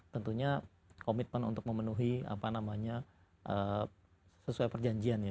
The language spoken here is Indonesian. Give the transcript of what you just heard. tentunya komitmen untuk memenuhi apa namanya sesuai perjanjian ya